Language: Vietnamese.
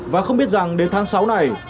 và không biết rằng đến tháng sáu này